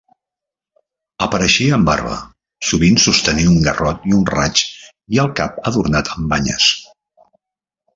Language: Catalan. Apareixia amb barba, sovint sostenint un garrot i un raig i el cap adornat amb banyes.